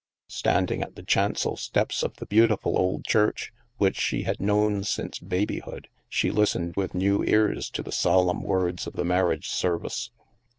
Standing at the chancel steps of the beautiful old church, which she had known since babyhood, she listened with new ears to the solemn words of the marriage service.